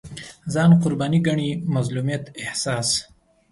ځان قرباني ګڼي مظلومیت احساس